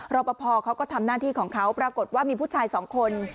รอปภเขาก็ทำหน้าที่ของเขาปรากฏว่ามีผู้ชายสองคน